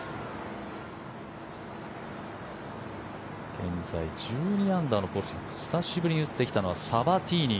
現在、１２アンダー久しぶりに映ってきたのはサバティーニ。